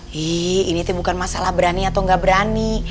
hiii ini tuh bukan masalah berani atau gak berani